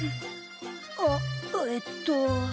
あえっと。